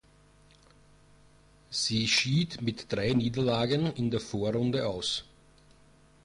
Sie schied mit drei Niederlagen in der Vorrunde aus.